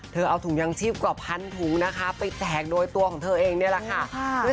เอาถุงยางชีพกว่าพันถุงนะคะไปแจกโดยตัวของเธอเองนี่แหละค่ะ